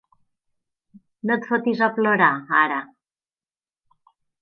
No et fotis a plorar, ara!